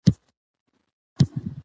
اوس ایمیلی فکر کوي دا فوقالعاده کار دی.